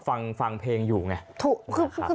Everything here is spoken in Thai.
ฟังเพลงอยู่ไง